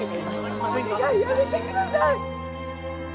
お願いやめてください！